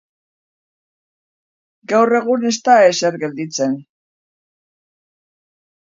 Gaur egun ez da ezer gelditzen.